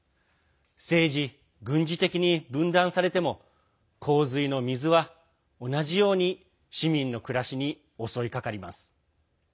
政治、軍事的に分断されても洪水の水は同じように市民の暮らしに襲いかかります。